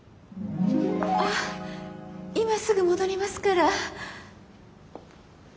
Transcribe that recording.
あっ今すぐ戻りますから。